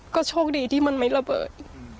ก็โชคดีที่มันไม่ระเบิด